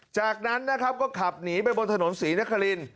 จากนั้นนะครับก็ขับหนีไปบนถนนศรีนคริน